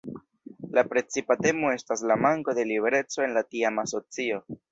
La precipa temo estas la manko de libereco en la tiama socio.